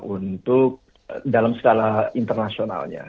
untuk dalam skala internasionalnya